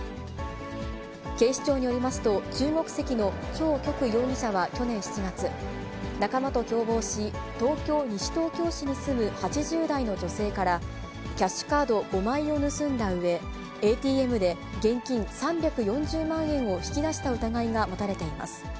警視庁によりますと、中国籍の張旭容疑者は去年７月、仲間と共謀し、東京・西東京市に住む８０代の女性から、キャッシュカード５枚を盗んだうえ、ＡＴＭで現金３４０万円を引き出した疑いが持たれています。